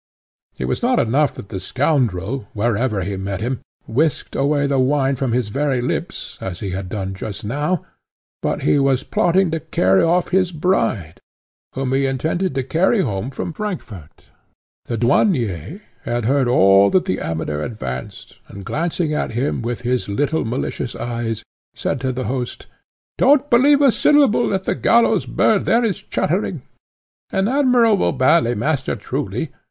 It was not enough that the scoundrel, wherever he met him, whisked away the wine from his very lips, as he had done just now, but he was plotting to carry off his bride, whom he intended to carry home from Frankfort. The Douanier had heard all that the Amateur advanced, and, glancing at him with his little malicious eyes, said to the host, "Don't believe a syllable that the gallows bird there is chattering. An admirable ballet master, truly!